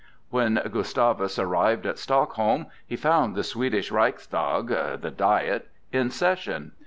When Gustavus arrived at Stockholm, he found the Swedish Reichstag (the Diet) in session.